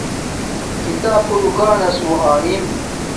کھیتاپ اُو دوکاناس موں آنم